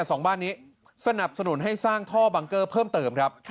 สองบ้านนี้สนับสนุนให้สร้างท่อบังเกอร์เพิ่มเติมครับ